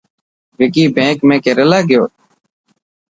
وڪي بينڪ ۾ ڪيريلا گيو؟